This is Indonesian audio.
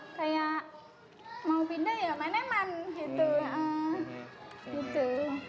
kayak mau pindah ya main aman gitu